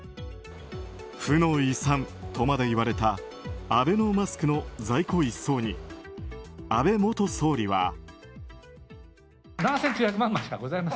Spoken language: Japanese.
負の遺産とまでいわれたアベノマスクの在庫一掃に安倍元総理は。